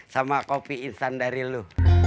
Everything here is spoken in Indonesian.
sama kopi instan dari lu